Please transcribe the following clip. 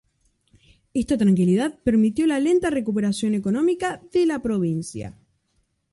Esta tranquilidad permitió la lenta recuperación económica de la provincia.